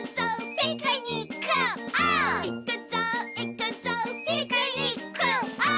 「ピクニックオー」